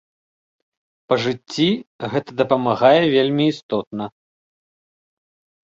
Па жыцці гэта дапамагае вельмі істотна.